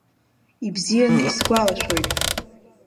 Ибзианы исгәалашәоит.